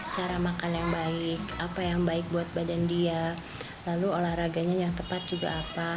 cara makan yang baik apa yang baik buat badan dia lalu olahraganya yang tepat juga apa